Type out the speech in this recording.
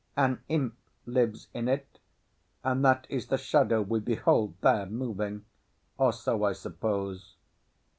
An imp lives in it, and that is the shadow we behold there moving: or so I suppose.